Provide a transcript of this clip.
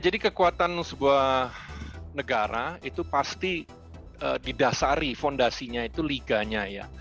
jadi kekuatan sebuah negara itu pasti didasari fondasinya itu liganya ya